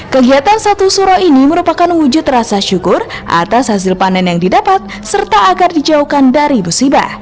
kegiatan satu suro ini merupakan wujud rasa syukur atas hasil panen yang didapat serta agar dijauhkan dari musibah